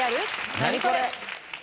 ナニコレ！